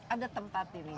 ada tempat ini ya